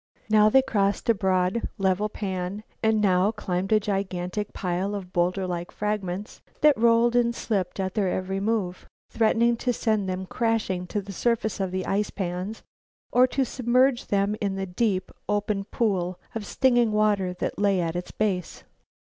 Now they crossed a broad, level pan and now climbed a gigantic pile of bowlder like fragments that rolled and slipped at their every move, threatening to send them crashing to the surface of the ice pans or to submerge them in the deep, open pool of stinging water that lay at its base.